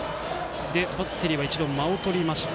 バッテリーは一度間をとりました。